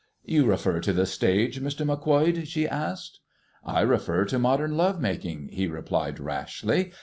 "You refer to the stage, Mr. Macquoid?" she asked. "I refer to modern love making," he replied rashly.